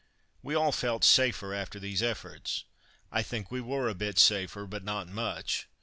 We all felt safer after these efforts. I think we were a bit safer, but not much.